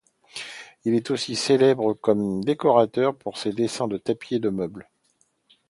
Il est aussi célèbre comme décorateur pour ses dessins de tapis et de meubles.